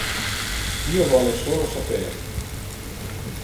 Io vole solo saper.